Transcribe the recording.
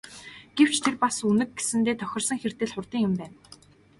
Гэвч тэр бас Үнэг гэсэндээ тохирсон хэрдээ л хурдан юм байна.